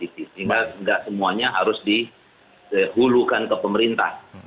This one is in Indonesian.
sehingga tidak semuanya harus dihulukan ke pemerintah